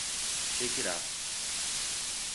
Shake It Up